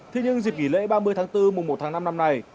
thế nhưng dịp nghỉ lễ ba mươi tháng bốn mùa một tháng năm năm nay